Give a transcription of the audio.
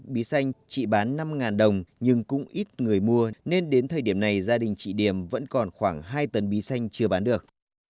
bí xanh chị bán năm đồng nhưng cũng ít người mua nên đến thời điểm này gia đình chị điểm vẫn còn khoảng hai tấn bí xanh chưa bán được